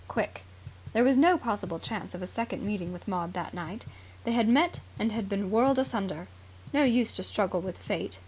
Quick. There was no possible chance of a second meeting with Maud that night. They had met and had been whirled asunder. No use to struggle with Fate.